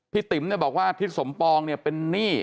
ติ๋มเนี่ยบอกว่าทิศสมปองเนี่ยเป็นหนี้